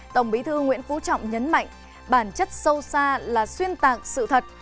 tổng bí thư nguyễn phú trọng nhấn mạnh bản chất sâu xa là xuyên tạng sự thật